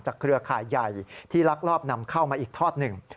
เครือข่ายใหญ่ที่ลักลอบนำเข้ามาอีกทอดหนึ่ง